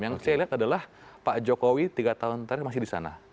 yang saya lihat adalah pak jokowi tiga tahun terakhir masih di sana